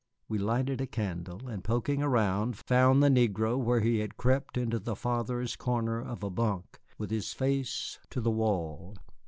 We lighted a candle, and poking around, found the negro where he had crept into the farthest corner of a bunk with his face to the wall.